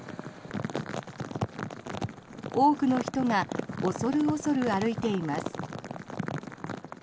多くの人が恐る恐る歩いています。